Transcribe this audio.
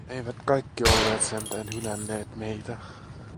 Eivät kaikki olleet sentään hylänneet meitä.